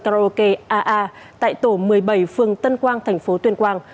karaoke aa tại tổ một mươi bảy phường tân quang thành phố tuyên quang